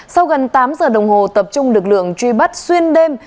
sau gần tám giờ đồng hồ tập trung lực lượng truy bắt xuyên đêm